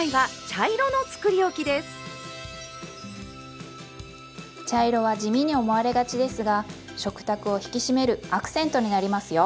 茶色は地味に思われがちですが食卓を引き締めるアクセントになりますよ。